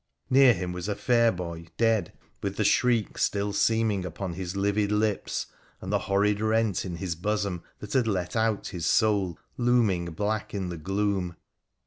Near him was a fair boy, dead, with the shriek still seeming upon hi? livid lips, and the horrid PUPA THE PHOENICIAN 171 rent in his bosom that had let out his soul looming black in the gloom.